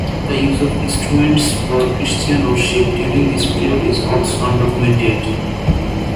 The use of instruments for Christian worship during this period is also undocumented.